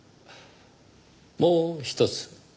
もうひとつ。